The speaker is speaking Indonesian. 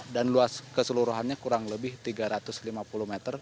dan luas keseluruhannya kurang lebih tiga ratus lima puluh meter